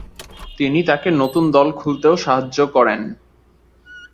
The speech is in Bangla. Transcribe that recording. তিনি তাকে নতুন দল খুলতেও সাহায্য করেন।